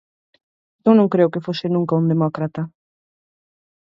Eu non creo que fose nunca un demócrata.